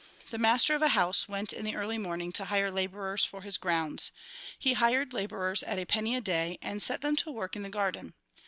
The master of a house went in the early morning to hire labourers for his grounds. He hired labourers at a penny a day, and set them to work in the garden.